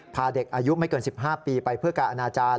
พาเด็กอายุไม่เกิน๑๕ปีไปเพื่อการอนาจารย์